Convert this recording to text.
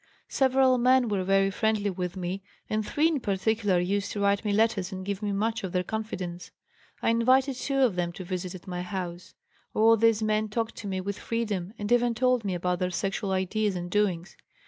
Several men were very friendly with me and three in particular used to write me letters and give me much of their confidence. I invited two of them to visit at my house. All these men talked to me with freedom and even told me about their sexual ideas and doings.